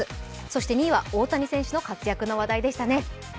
そして２位は大谷選手の活躍の話題でしたね。